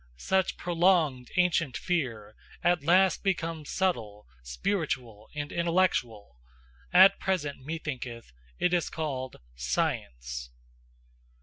Such prolonged ancient fear, at last become subtle, spiritual and intellectual at present, me thinketh, it is called SCIENCE."